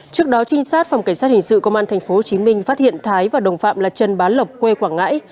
trước đó trinh sát phòng cảnh sát hình sự công an tp hcm phát hiện thái và đồng phạm là trần bán lộc quê quảng ngãi